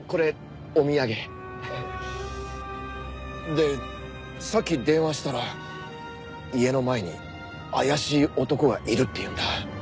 でさっき電話したら家の前に怪しい男がいるって言うんだ。